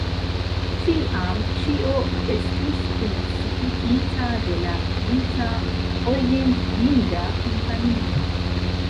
Tiam ĉio estis funkciigita de la Brita Orienthinda Kompanio.